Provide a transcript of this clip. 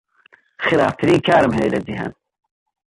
خراپترین کارم هەیە لە جیهان.